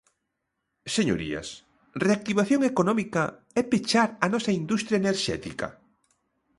Señorías, ¿reactivación económica é pechar a nosa industria enerxética?